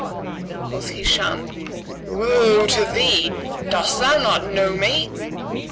Quoth Hisham, "Woe to thee, dost thou not know me?"